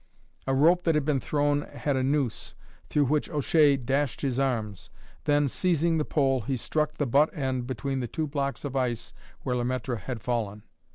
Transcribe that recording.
A rope that had been thrown had a noose, through which O'Shea dashed his arms; then, seizing the pole, he struck the butt end between the blocks of ice where Le Maître had fallen.